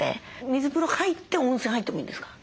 水風呂入って温泉入ってもいいんですか？